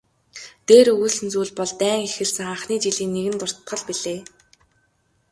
Дээр өгүүлсэн зүйл бол дайн эхэлсэн анхны жилийн нэгэн дуртгал билээ.